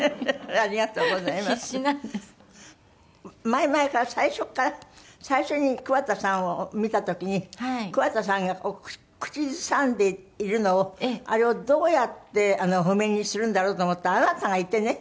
前々から最初から最初に桑田さんを見た時に桑田さんが口ずさんでいるのをあれをどうやって譜面にするんだろうと思ったらあなたがいてね